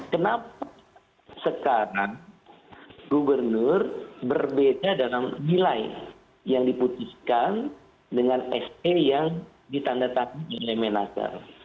kenapa sekarang gubernur berbeda dalam nilai yang diputuskan dengan se yang ditandatangani oleh menakar